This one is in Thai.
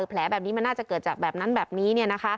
แผลแบบนี้มันน่าจะเกิดจากแบบนั้นแบบนี้